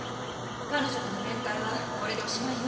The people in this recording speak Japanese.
彼女との面会はこれでおしまいよ。